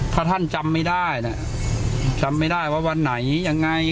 ถ้าท่านจำไม่ได้นะจำไม่ได้ว่าวันไหนยังไง